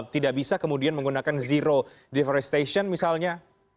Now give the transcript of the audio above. tidak bisa kemudian menggunakan zero deforestation misalnya